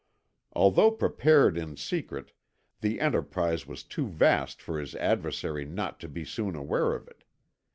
Although prepared in secret, the enterprise was too vast for his adversary not to be soon aware of it.